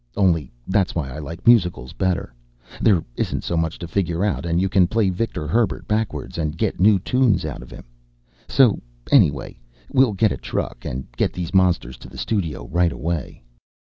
Only that's why I like musicals better. There isn't so much to figure out and you can play Victor Herbert backwards and get new tunes out of him. So anyway, we'll get a truck and get these monsters to the studio right away."